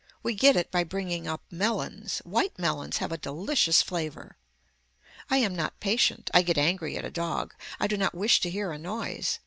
We get it by bringing up melons. White melons have a delicious flavor. I am not patient. I get angry at a dog. I do not wish to hear a noise.